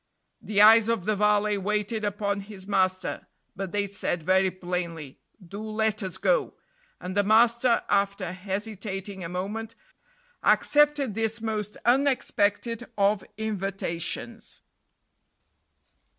The eyes of the valet waited upon his master, but they said very plainly, "Do let us go;" and the master, after hesitating a moment, accepted this most unexpected of invitations.